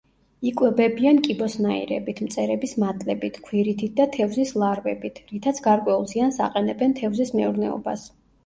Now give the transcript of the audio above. იკვებებიან კიბოსნაირებით, მწერების მატლებით, ქვირითით და თევზის ლარვებით, რითაც გარკვეულ ზიანს აყენებენ თევზის მეურნეობას.